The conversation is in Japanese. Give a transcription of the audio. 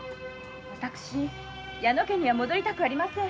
私矢野家には戻りたくありません。